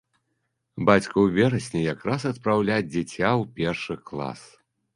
Бацьку ў верасні якраз адпраўляць дзіця ў першы клас.